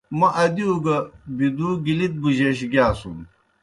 موْ ادِیؤ گہ بِدُو گِلِت بُجَیش گیاسُن۔